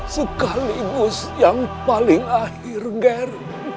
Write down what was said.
sekaligus yang paling akhir